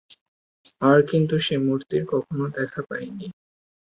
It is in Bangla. আর কিন্তু সে মূর্তির কখনও দেখা পাইনি।